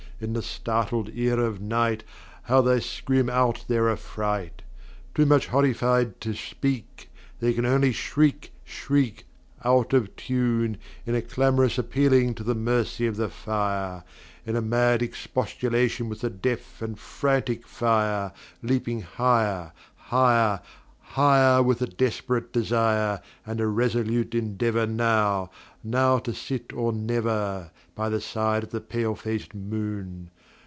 In the startled ear of nightHow they scream out their affright! Too much horrified to speak, They can only shriek, shriek, Out of tune, In a clamorous appealing to the mercy of the fire, In a mad expostulation with the deaf and frantic fire, Leaping higher, higher, higher, With a desperate desire, And a resolute endeavorNow—now to sit or never, By the side of the pale faced moon.